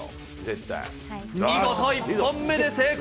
見事、１本目で成功。